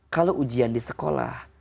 kalau ujian di sekolah